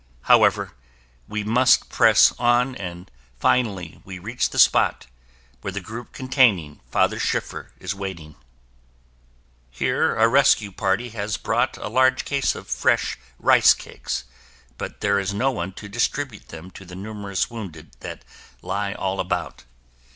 However, we must press on and finally we reach the spot where the group containing Father Schiffer is waiting. Here a rescue party had brought a large case of fresh rice cakes but there is no one to distribute them to the numerous wounded that lie all about.